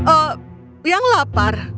eh yang lapar